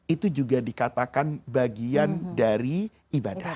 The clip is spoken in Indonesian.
itu juga dikatakan bagian dari ibadah